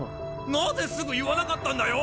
なぜすぐ言わなかったんだよ！